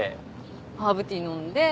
ハーブティー飲んで。